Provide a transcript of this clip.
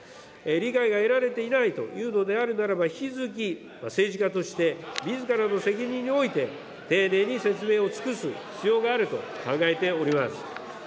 理解が得られていないというのであるならば、引き続き政治家として、みずからの責任において、丁寧に説明を尽くす必要があると考えております。